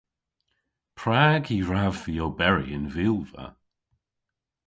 Prag y hwrav vy oberi y'n vilva?